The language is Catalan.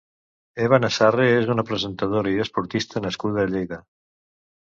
Eva Nasarre és una presentadora i esportista nascuda a Lleida.